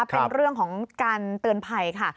เป็นเรื่องของการเตือนภัยค่ะ